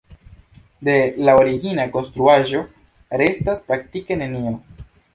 De la origina konstruaĵo restas praktike nenio.